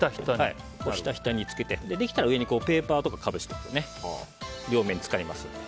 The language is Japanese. ひたひたに漬けてできたら上にペーパーとかかぶせておくと両面使いますので。